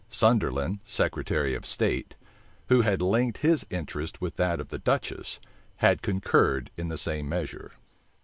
Sunderland, secretary of state, who had linked his interest with that of the duchess, had concurred in the same measure.